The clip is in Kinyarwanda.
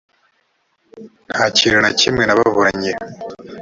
nta kintu na kimwe nababuranye .